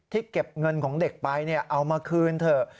เก็บเงินของเด็กไปเอามาคืนเถอะ